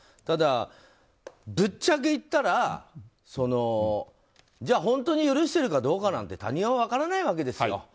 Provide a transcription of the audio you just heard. ただ、ぶっちゃけ言ったらじゃあ本当に許してるかどうかなんて他人は分からないわけですよ。